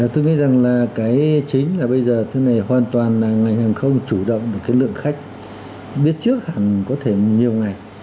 tôi nghĩ rằng là cái chính là bây giờ thế này hoàn toàn là ngành hàng không chủ động được cái lượng khách biết trước hẳn có thể nhiều ngày